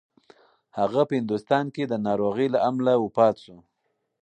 هغه په هندوستان کې د ناروغۍ له امله وفات شو.